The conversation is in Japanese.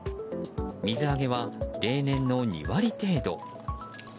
水揚げは例年の２割程度。